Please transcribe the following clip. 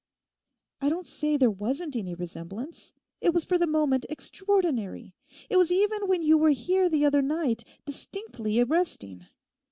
I don't say there wasn't any resemblance; it was for the moment extraordinary; it was even when you were here the other night distinctly arresting.